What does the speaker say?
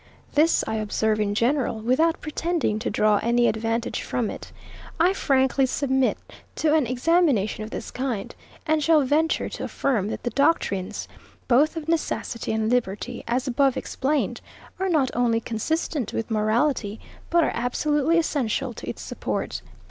This I observe in general, without pretending to draw any advantage from it. I frankly submit to an examination of this kind, and shall venture to affirm that the doctrines, both of necessity and of liberty, as above explained, are not only consistent with morality, but are absolutely essential to its support.